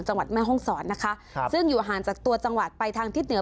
แม่ห้องศรนะคะครับซึ่งอยู่ห่างจากตัวจังหวัดไปทางทิศเหนือ